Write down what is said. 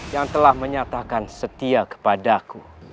yang telah menyatakan setia kepadaku